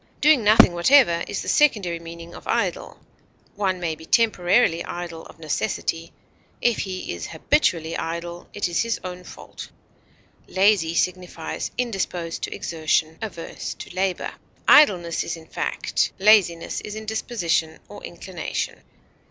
Doing nothing whatever is the secondary meaning of idle. One may be temporarily idle of necessity; if he is habitually idle, it is his own fault. Lazy signifies indisposed to exertion, averse to labor; idleness is in fact; laziness is in disposition or inclination.